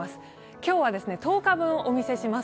今日は１０日分、お見せします。